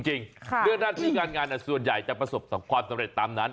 เรื่องหน้าที่การงานส่วนใหญ่จะประสบความสำเร็จตามนั้น